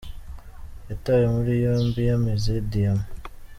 Yatawe muri yombi yamize diyama